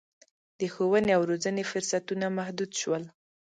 د ښوونې او روزنې فرصتونه محدود شول.